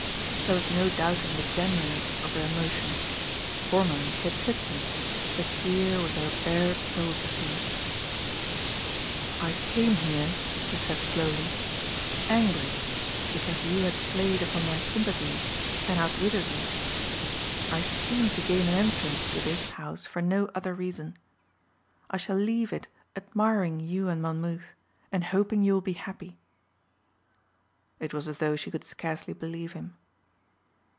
There was no doubting the genuineness of her emotion. Formerly she had tricked him but here was her bared soul to see. "I came here," he said slowly, "angry because you had played upon my sympathies and outwitted me. I schemed to gain an entrance to this house for no other reason. I shall leave it admiring you and Monmouth and hoping you will be happy." It was as though she could scarcely believe him.